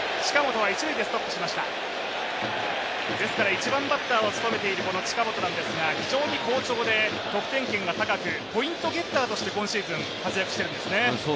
１番バッターを務めている近本なんですが、非常に好調で得点圏が高くポイントゲッターとして今シーズン活躍しているんですね。